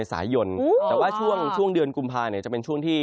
ตี๔ตี๕ตื่นมาน่าจะทันอยู่